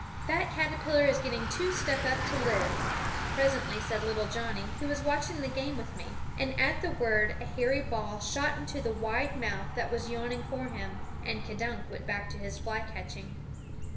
"That caterpillar is getting too stuck up to live," presently said little Johnnie, who was watching the game with me; and at the word a hairy ball shot into the wide mouth that was yawning for him, and K'dunk went back to his fly catching.